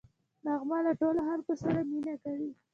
نغمه له ټولو خلکو سره مینه کوي